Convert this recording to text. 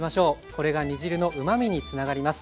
これが煮汁のうまみにつながります。